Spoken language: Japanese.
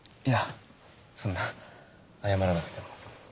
いやそんな謝らなくても。